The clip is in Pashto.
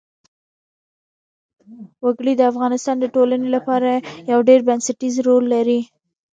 وګړي د افغانستان د ټولنې لپاره یو ډېر بنسټيز رول لري.